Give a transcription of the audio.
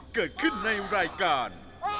เกิดขึ้นในรายการ